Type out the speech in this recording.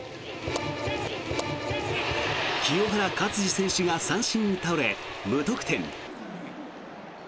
清原勝児選手が三振に倒れ無得点。